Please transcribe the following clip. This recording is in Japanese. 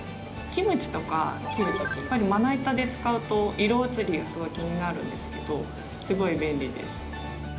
キムチとか切る時まな板で使うと色移りがすごい気になるんですがすごい便利です。